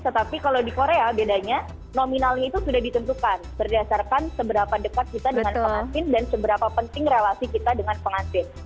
tetapi kalau di korea bedanya nominalnya itu sudah ditentukan berdasarkan seberapa dekat kita dengan pengantin dan seberapa penting relasi kita dengan pengantin